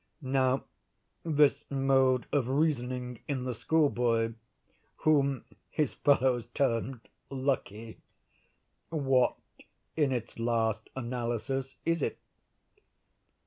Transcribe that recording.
Now this mode of reasoning in the schoolboy, whom his fellows termed 'lucky,'—what, in its last analysis, is it?"